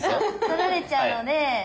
取られちゃうので。